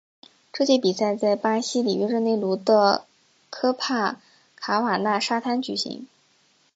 该届比赛在巴西里约热内卢的科帕卡瓦纳沙滩举行。